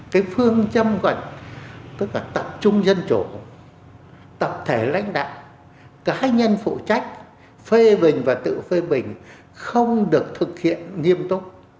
cái phương châm gần tất cả tập trung dân chủ tập thể lãnh đạo cá nhân phụ trách phê bình và tự phê bình không được thực hiện nghiêm túc